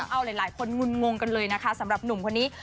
เอาหลายคนงุ่นงงกันเลยนะคะสำหรับหนุ่มคนนี้